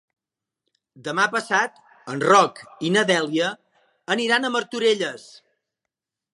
Demà passat en Roc i na Dèlia aniran a Martorelles.